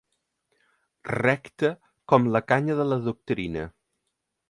Recte com la canya de la doctrina.